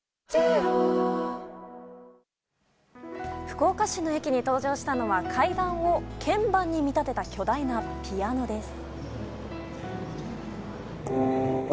福岡市の駅に登場したのは階段を鍵盤に見立てた巨大なピアノです。